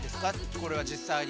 これは実際に。